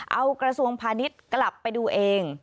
เอากระทรวงพาณิชย์กลับไปดูเอง